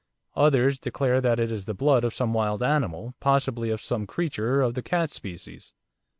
Others declare that it is the blood of some wild animal, possibly of some creature of the cat species.